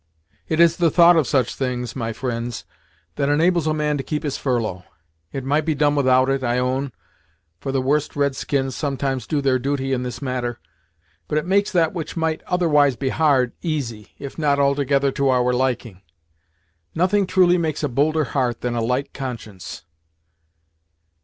"It is the thought of such things, my fri'nds, that enables a man to keep his furlough. It might be done without it, I own; for the worst red skins sometimes do their duty in this matter; but it makes that which might otherwise be hard, easy, if not altogether to our liking. Nothing truly makes a bolder heart than a light conscience."